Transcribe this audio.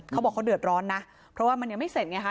เขาบอกเขาเดือดร้อนนะเพราะว่ามันยังไม่เสร็จไงฮะ